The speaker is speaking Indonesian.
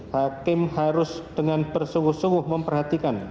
hakim harus dengan bersungguh sungguh memperhatikan